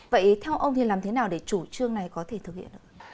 vậy theo ông thì làm thế nào để chủ trương này có thể thực hiện được